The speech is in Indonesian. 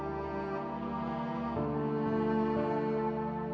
kamu harus mencoba untuk mencoba